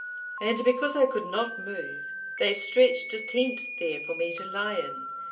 "And because I could not move, they stretched a tent there for me to lie in.